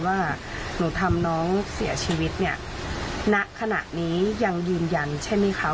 ว่าหนูทำน้องเสียชีวิตเนี่ยณขณะนี้ยังยืนยันใช่ไหมคะ